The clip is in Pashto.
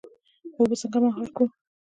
اوبه څنګه مهار کړو؟